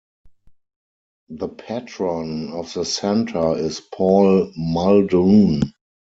The patron of the Centre is Paul Muldoon.